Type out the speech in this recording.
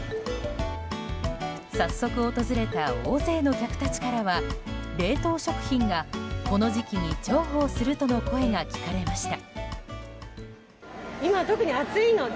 早速訪れた大勢の客たちからは冷凍食品がこの時期に重宝するとの声が聞かれました。